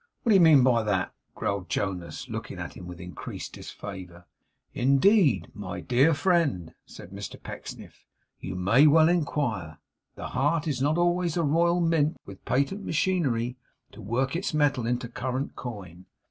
'What do you mean by that?' growled Jonas, looking at him with increased disfavour. 'Indeed, my dear friend,' said Mr Pecksniff, 'you may well inquire. The heart is not always a royal mint, with patent machinery to work its metal into current coin.